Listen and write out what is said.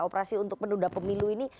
operasi untuk menunda pemilu ini